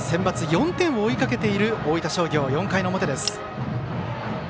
４点を追いかけている大分商業４回の表です。